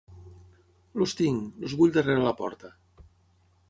Els tinc, els vull darrere la porta.